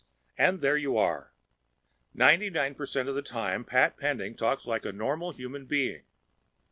And there you are! Ninety nine percent of the time Pat Pending talks like a normal human being.